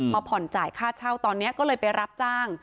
ผ่อนจ่ายค่าเช่าตอนนี้ก็เลยไปรับจ้าง